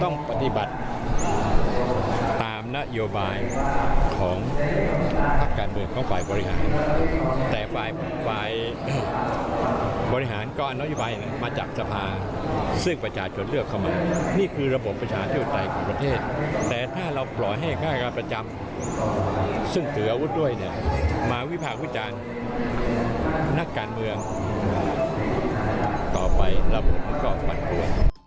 นักการเมืองต่อไประบุมันก็มันกลัว